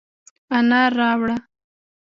انار راوړه،